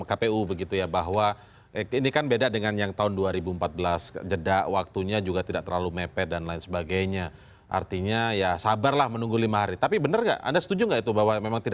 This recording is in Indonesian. nanti kita lanjutkan setelah jeda berikut